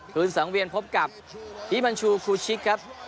คืนสังเวียนพบกับอีมันชูคูชิกครับ